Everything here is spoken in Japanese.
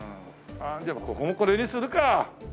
あっでもここもこれにするか！